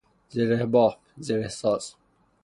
زره باف ـ زره ساز